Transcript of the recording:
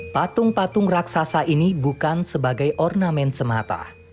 patung patung raksasa ini bukan sebagai ornamen semata